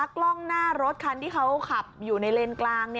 กล้องหน้ารถคันที่เขาขับอยู่ในเลนกลาง